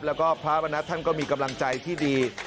แล้วก็พระมณัฐท่านก็มีกำลังใจที่ดี